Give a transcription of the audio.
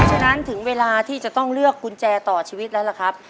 ฉะนั้นถึงเวลาที่จะต้องเลือกกุญแจต่อชีวิตแล้วล่ะครับ